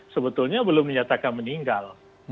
sebetulnya belum menyatakan meninggal